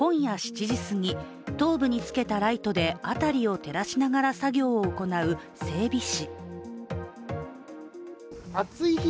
今夜７時すぎ、頭部につけたライトで、辺りを照らしながら作業を行う整備士。